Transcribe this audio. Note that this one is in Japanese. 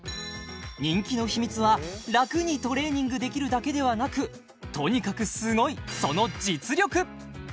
人気の秘密は楽にトレーニングできるだけではなくとにかくすごいその実力！